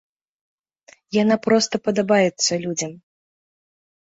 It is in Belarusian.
Яна проста падабаецца людзям.